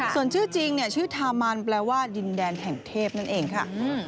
ส่วนชื่อจริงชื่อทามันแปลว่าดินแดนแห่งเทพนั่นเองค่ะ